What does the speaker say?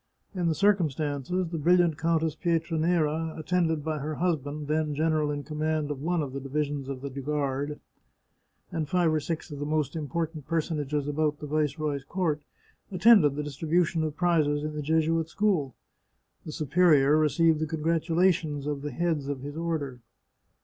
In the circumstances, the brilliant Countess Pietranera, attended by her husband, then general in command of one of the divisions of the Guard, and five or six of the most important personages about the Viceroy's court, attended the distribution of prizes in the Jesuit school. The Superior received the congratula tions of the heads of his order.